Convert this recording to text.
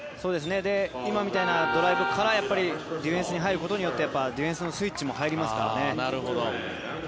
今みたいなドライブからディフェンスに入ることによってやっぱりディフェンスのスイッチも入りますからね。